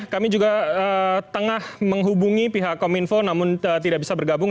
kami juga tengah menghubungi pihak kominfo namun tidak bisa bergabung